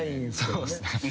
そうっすね。